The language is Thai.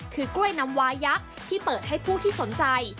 คือกล้วยน้ำวายักษ์ที่เปิดให้ผู้ที่สนใจ